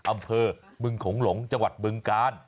อำเภอเบื้องขงหลงจังหวัดเบื้องการ